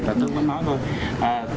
và tôi cũng nói rồi